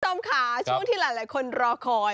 สวัสดีค่ะช่วงที่หลายคนรอคอย